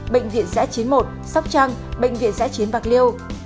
bệnh viện giã chiến một sóc trăng bệnh viện giã chiến bạc liêu